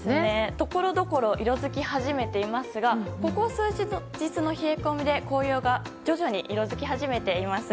ところどころ色づき始めていますがここ数日の冷え込みで紅葉が徐々に色づき始めています。